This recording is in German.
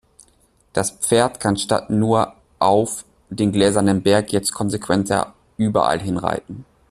Das Pferd kann statt nur auf "„den gläsernen Berg“" jetzt konsequenter "„überall hin reiten“".